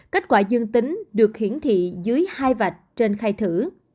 kết quả dương tính được hiển thị dưới hai vạch trên khai thử